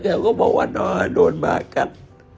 แก้วก็บอกว่านอนโดนมากครับ